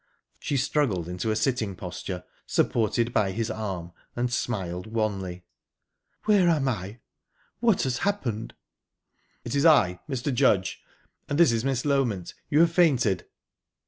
She struggled into a sitting posture, supported by his arm, and smiled wanly. "Where am I? What has happened?" "It's I Mr. Judge and this is Miss Loment. You have fainted."